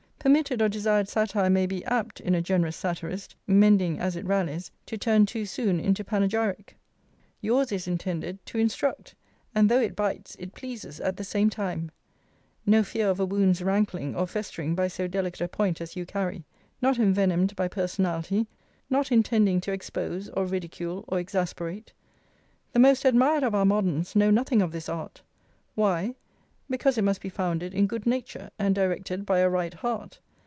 Permitted or desired satire may be apt, in a generous satirist, mending as it rallies, to turn too soon into panegyric. Yours is intended to instruct; and though it bites, it pleases at the same time: no fear of a wound's wrankling or festering by so delicate a point as you carry; not envenomed by personality, not intending to expose, or ridicule, or exasperate. The most admired of our moderns know nothing of this art: Why? Because it must be founded in good nature, and directed by a right heart.